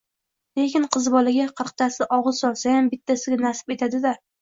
Lekin qiz bolaga qirqtasi og`iz solsayam, bittasiga nasib etadi-da